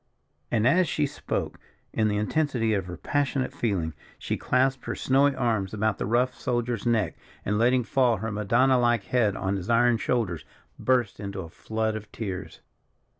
And, as she spoke, in the intensity of her passionate feeling, she clasped her snowy arms about the rough soldier's neck, and letting fall her Madonna like head on his iron shoulders, burst into a flood of tears.